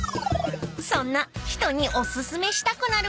［そんな人にお薦めしたくなる